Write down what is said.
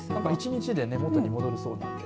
１日で元に戻るそうなので。